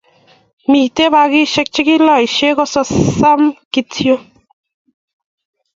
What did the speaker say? miten bakishek che kiloishek ko sasam kityok